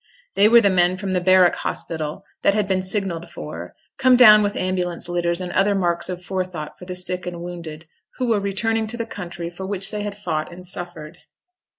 They were the men from the barrack hospital, that had been signalled for, come down with ambulance litters and other marks of forethought for the sick and wounded, who were returning to the country for which they had fought and suffered.